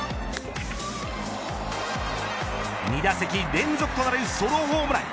２打席連続となるソロホームラン。